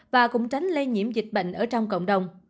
và cũng tránh lây nhiễm dịch bệnh ở trong cộng đồng